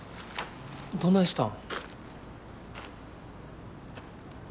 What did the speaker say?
どないしたん。